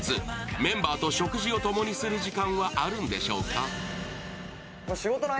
メンバーと食事を共にする時間はあるんでしょうか？